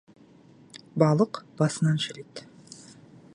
Балық басынан шіриді.